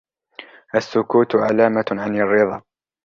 السكوت علامة عن الرضا.